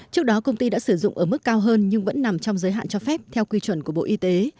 trước đó công ty đã sử dụng ở mức cao hơn nhưng vẫn nằm trong giới hạn cho phép theo quy chuẩn của bộ y tế